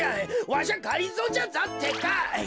わしゃがりぞーじゃぞってか。